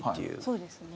そうですね。